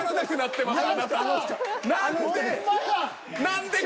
何で。